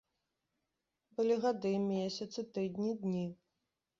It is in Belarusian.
Былі гады, месяцы, тыдні, дні.